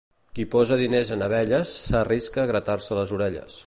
Qui posa diners en abelles s'arrisca a gratar-se les orelles.